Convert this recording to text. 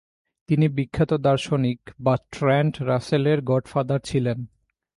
তিনি বিখ্যাত দার্শনিক বার্ট্রান্ড রাসেলের গডফাদার ছিলেন।